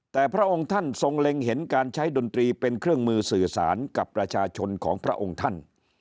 แต่พระองค์ท่านทรงเล็งเห็นการใช้ดนตรีเป็นเครื่องมือสื่อสารกับประชาชนของพระองค์ท่าน